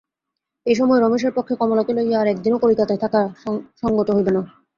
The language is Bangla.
এ সময়ে রমেশের পক্ষে কমলাকে লইয়া আর এক দিনও কলিকাতায় থাকা সংগত হইবে না।